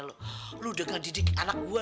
lo dengan didik anak gue